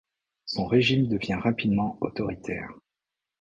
Son régime devient rapidement autoritaire.